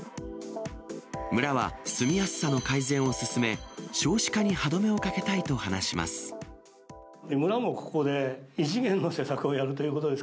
村は住みやすさの改善を進め、少子化に歯止めをかけたいと話します。